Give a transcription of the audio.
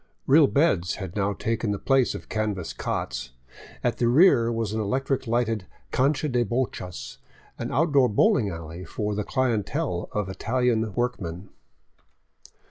Real beds had now taken the place of canvas cots; at the rear was an electric lighted cancha de bochas, or outdoor bowling alley for the clientele of Italian workmen.